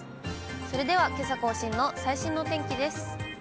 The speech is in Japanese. それではけさ更新の最新のお天気です。